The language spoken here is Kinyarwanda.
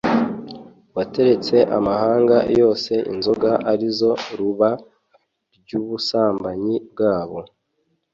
wateretse amahanga yose inzoga arizo ruba ry'ubusambanyi bwawo